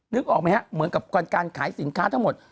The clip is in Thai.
นึกออกไหมฮะเหมือนกับการขายสินค้าทั้งหมด